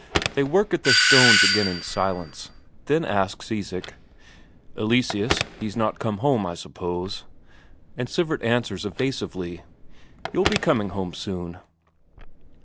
They work at their stones again in silence. Then asks Isak: "Eleseus, he's not come home, I suppose?" And Sivert answers evasively: "He'll be coming home soon."